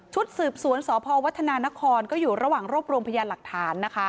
สืบสวนสพวัฒนานครก็อยู่ระหว่างรวบรวมพยานหลักฐานนะคะ